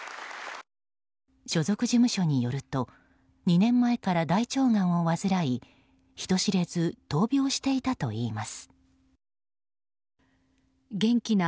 所属事務所によると２年前から大腸がんを患い人知れず闘病していたといいます。